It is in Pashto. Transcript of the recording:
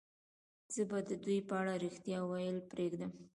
زه به د دوی په اړه رښتیا ویل پرېږدم